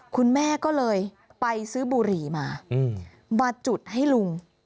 คุณแม่ก็เลยไปซื้อบุหรี่มามาจุดให้ลุง